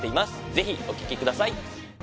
ぜひお聴きください